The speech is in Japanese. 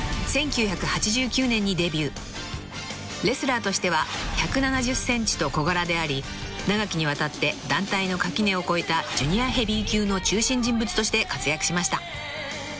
［レスラーとしては１７０ｃｍと小柄であり長きにわたって団体の垣根を越えたジュニアヘビー級の中心人物として活躍しました］